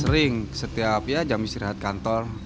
sering setiap ya jam istirahat kantor